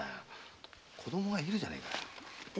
子供がいるじゃねえか。